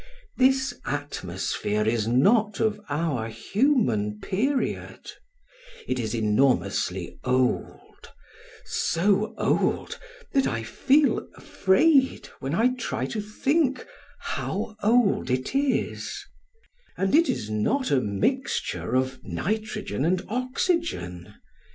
This atmosphere is not of our human period: it is enormously old,—so old that I feel afraid when I try to think how old it is;—and it is not a mixture of nitrogen and oxygen.